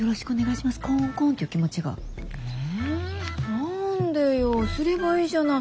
何でよすればいいじゃない。